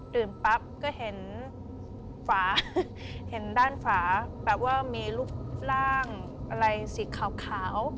ปั๊บก็เห็นฝาเห็นด้านฝาแบบว่ามีรูปร่างอะไรสีขาว